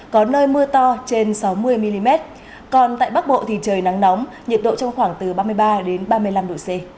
có nơi mưa to trên sáu mươi mm còn tại bắc bộ thì trời nắng nóng nhiệt độ trong khoảng từ ba mươi ba đến ba mươi năm độ c